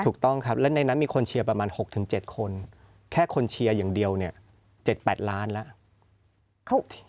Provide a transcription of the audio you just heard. ถูกต้องครับและในนั้นมีคนเชียร์ประมาณหกถึงเจ็ดคนแค่คนเชียร์อย่างเดียวเนี้ยเจ็ดแปดล้านละ